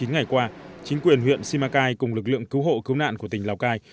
chín ngày qua chính quyền huyện simacai cùng lực lượng cứu hộ cứu nạn của tỉnh lào cai